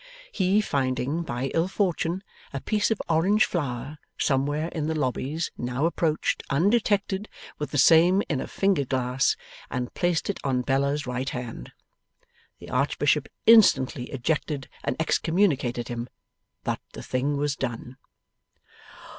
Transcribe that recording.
He finding, by ill fortune, a piece of orange flower somewhere in the lobbies now approached undetected with the same in a finger glass, and placed it on Bella's right hand. The Archbishop instantly ejected and excommunicated him; but the thing was done.